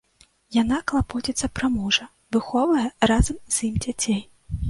Яна клапоціцца пра мужа, выхоўвае разам з ім дзяцей.